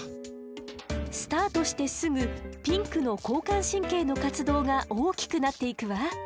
スタートしてすぐピンクの交感神経の活動が大きくなっていくわ。